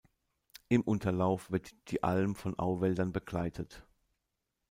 Im Unterlauf wird die Alm von Auwäldern begleitet.